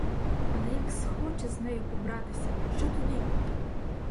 Але як схоче з нею побратися, що тоді?